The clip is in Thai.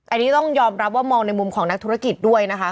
อันนี้ต้องยอมรับว่ามองในมุมของนักธุรกิจด้วยนะคะ